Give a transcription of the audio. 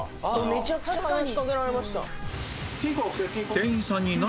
めちゃくちゃ話しかけられました。